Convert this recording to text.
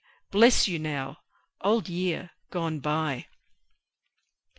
bless you now! Old Year, good bye!